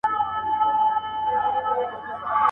لښکر د سورلنډیو به تر ګوره پوري تښتي.